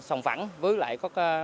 sòng phẳng với lại